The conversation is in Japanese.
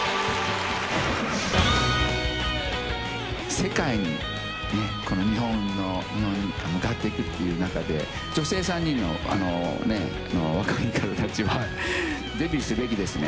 世界に日本が向かって行くっていう中で女性３人の若い方たちはデビューすべきですね。